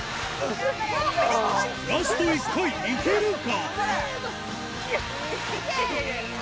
ラスト１回、いけるか？